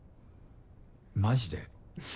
マジで？